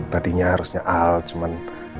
tadinya harusnya al cuman